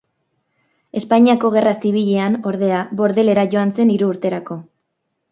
Espainiako Gerra Zibilean, ordea, Bordelera joan zen hiru urterako.